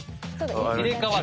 入れかわる。